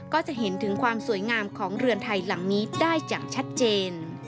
ก็จะเห็นถึงความสวยงามของเรือนไทยหลังนี้ได้อย่างชัดเจน